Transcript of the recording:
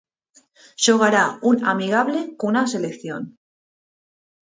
Xogará un amigable cunha selección.